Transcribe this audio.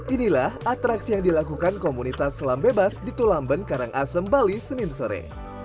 inilah atraksi yang dilakukan komunitas selam bebas di tulamben karangasem bali senin sore